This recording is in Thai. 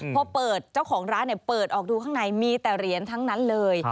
พอเปิดเจ้าของร้านเปิดออกดูข้างในมีแต่เหรียญทั้งนั้นเลย